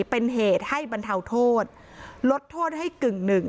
เป็นเหตุให้บรรเทาโทษลดโทษให้กึ่งหนึ่ง